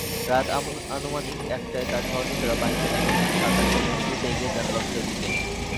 রাত আনুমানিক একটায় তার সহযোদ্ধারা পানিতে নেমে সাঁতার কেটে দ্রুত এগিয়ে যান লক্ষ্যের দিকে।